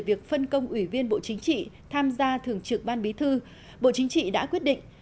việc phân công ủy viên bộ chính trị tham gia thường trực ban bí thư bộ chính trị đã quyết định